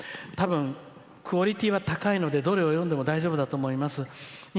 たぶん、クオリティーは高いので、どれを読んでも大丈夫だと思います。